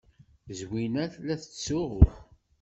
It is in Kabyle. Zwina tella tettsuɣu.